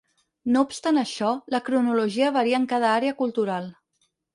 No obstant això, la cronologia varia en cada àrea cultural.